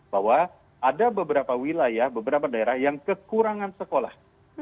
bahwa ada beberapa wilayah beberapa daerah yang kekurangan sekolah